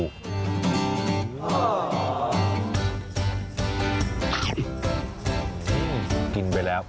อืมกลิ่นไปแล้ว